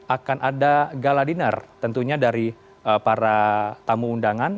akan ada galadinar tentunya dari para tamu undangan